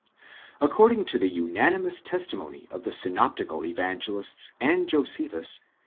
According to the unanimous testimony of the synoptical Evangelists and Josephus